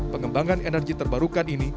pengembangan energi terbarukan ini